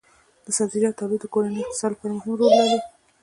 د سبزیجاتو تولید د کورني اقتصاد لپاره مهم رول لري.